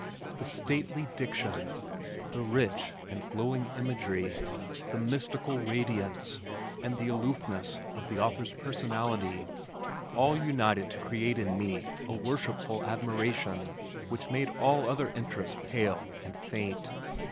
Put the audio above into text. The stately diction, the rich and glowing imagery, the mystical radiance, and the aloofness of the author's personality all united to create in me a worshipful admiration which made all other interests pale and faint.